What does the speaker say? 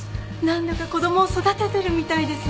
何だか子供を育ててるみたいですね。